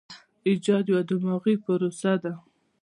ایجاد یوه دماغي پروسه ده.